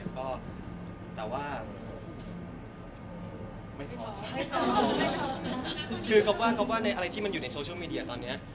อาจจะเกาะกระแทนอะไรบางอย่างที่มันเกิดขึ้นนะคะ